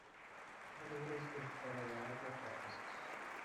The river is used for a variety of purposes.